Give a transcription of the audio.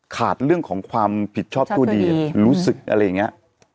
ขาดเรื่องของความผิดชอบตัวดีรู้สึกอะไรอย่างนี้